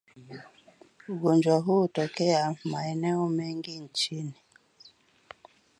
Ugonjwa huu hutokea maeneo mengi nchini